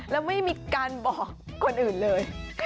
แล้วไม่มีการบอกคนอื่นเลย